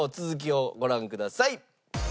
続きをご覧ください。